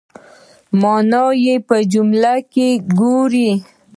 مانا یې په جملو کې وګورئ